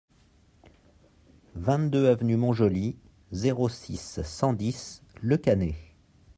vingt-deux avenue Mont-Joli, zéro six, cent dix Le Cannet